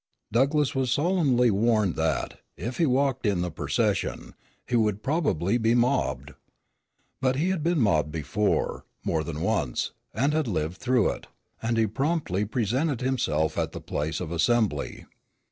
Douglass was solemnly warned that, if he walked in the procession, he would probably be mobbed. But he had been mobbed before, more than once, and had lived through it; and he promptly presented himself at the place of assembly.